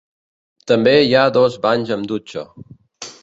També hi ha dos banys amb dutxa.